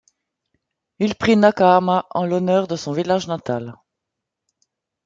Il prit Nakahama en l'honneur de son village natal.